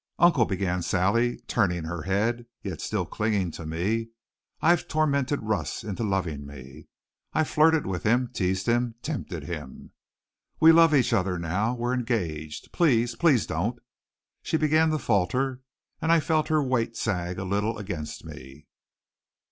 "Uncle," began Sally, turning her head, yet still clinging to me, "I've tormented Russ into loving me. I've flirted with him teased him tempted him. We love each other now. We're engaged. Please please don't " She began to falter and I felt her weight sag a little against me.